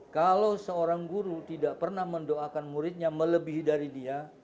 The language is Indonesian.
kalau seorang guru tidak pernah mendoakan muridnya melebihi dari dia